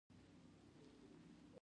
د پېچلي سیستم په واسطه ټاکل کېږي.